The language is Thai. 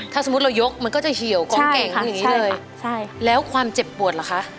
ถ้าสมมุติเรายกมันก็จะเหี่ยวกองเก่งอย่างนี้เลยใช่แล้วความเจ็บปวดเหรอคะ